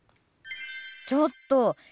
ちょっと！